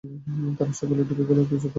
তারা সকলে ডুবে গেল ও দোযখবাসী হল।